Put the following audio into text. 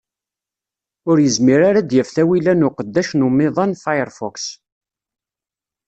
Ur yezmir ara ad d-yaf tawila n uqeddac n umiḍan Firefox.